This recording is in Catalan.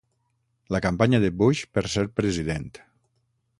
La campanya de Bush per ser president.